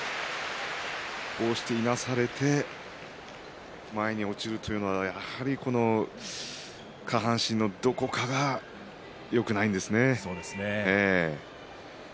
いなされて前に落ちるというのはやはり下半身のどこかがよくないんですよね。